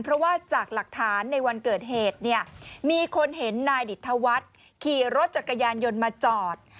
เพราะว่าจากหลักฐานในวันเกิดเหตุเนี่ยมีคนเห็นนายดิตธวัฒน์ขี่รถจักรยานยนต์มาจอด